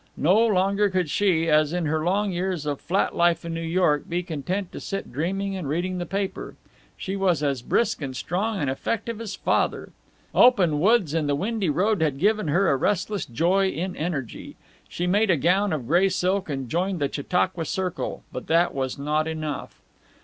No longer could she, as in her long years of flat life in New York, be content to sit dreaming and reading the paper. She was as brisk and strong and effective as Father. Open woods and the windy road had given her a restless joy in energy. She made a gown of gray silk and joined the Chautauqua Circle, but that was not enough.